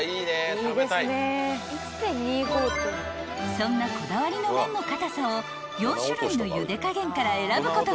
［そんなこだわりの麺の硬さを４種類のゆで加減から選ぶことができるんです］